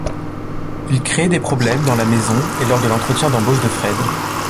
Il crée des problèmes dans la maison et lors de l'entretien d'embauche de Fred.